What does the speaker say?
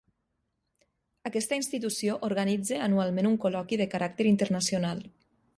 Aquesta institució organitza anualment un col·loqui de caràcter internacional.